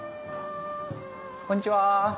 こんにちは。